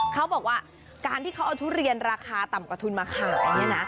เขาบอกว่าการที่เขาเอาทุเรียนราคาต่ำกว่าทุนมาขายเนี่ยนะ